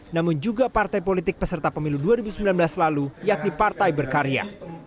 namun juga partai politik peserta pemilu dua ribu sembilan belas lalu yakni partai berkarya